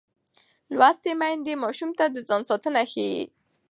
لوستې میندې ماشوم ته د ځان ساتنه ښيي.